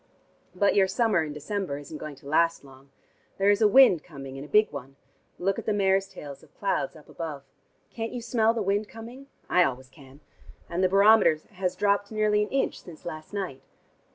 "But your summer in December isn't going to last long. There is a wind coming, and a big one. Look at the mare's tails of clouds up above. Can't you smell the wind coming? I always can. And the barometer has dropped nearly an inch since last night."